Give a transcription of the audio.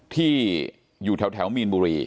ที่อยู่แถวมีนบุรี